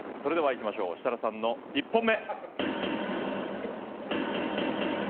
設楽さんの１本目。